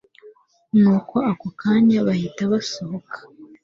Nuko ako kanya bahita basohoka